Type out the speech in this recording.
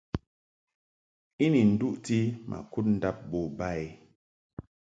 I ni nduʼti ma kud ndab bo ba i.